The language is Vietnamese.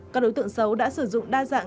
các đối tượng xấu đã sử dụng đa dạng